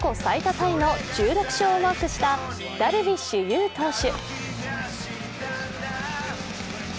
タイの１６勝をマークしたダルビッシュ有投手。